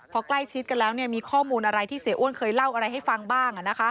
พอใกล้ชิดกันแล้วมีข้อมูลอะไรที่เสียอ้วนเคยเล่าอะไรให้ฟังบ้าง